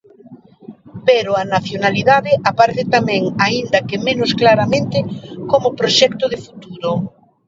Pero a nacionalidade aparece tamén, aínda que menos claramente, como proxecto de futuro.